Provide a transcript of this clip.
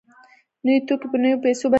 نوي توکي په نویو پیسو بدلېږي